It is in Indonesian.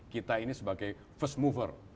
kita ini sebagai first mover